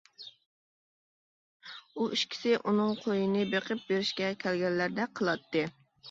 ئۇ ئىككىسى ئۇنىڭ قويىنى بېقىپ بېرىشكە كەلگەنلەردەك قىلاتتى.